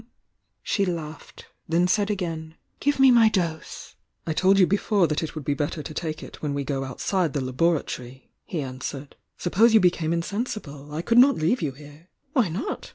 She laughed, — then said ag&in: "Give me my dose!" "I told you before that it would be better to take it when we go outside the laboratory," he answered. "Suppose you became insensible! I could not leave you here." "Why not?"